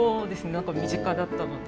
何か身近だったので。